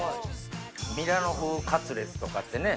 ミラノ風カツレツとかってね。